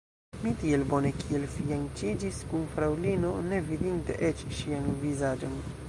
Mi tiel bone kiel fianĉiĝis kun fraŭlino, ne vidinte eĉ ŝian vizaĝon.